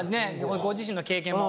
ご自身の経験も含めて。